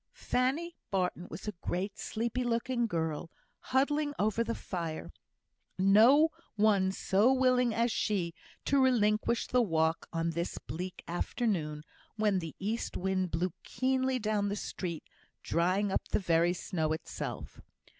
Fanny Barton was a great sleepy looking girl, huddling over the fire. No one so willing as she to relinquish the walk on this bleak afternoon, when the east wind blew keenly down the street, drying up the very snow itself.